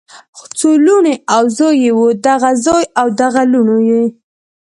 څو لوڼې او زوي یې وو دغه زوي او دغه لوڼو یی